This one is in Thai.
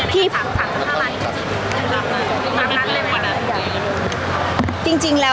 พี่ตอบได้แค่นี้จริงค่ะ